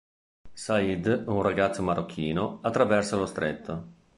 Said, un ragazzo marocchino, attraversa lo Stretto.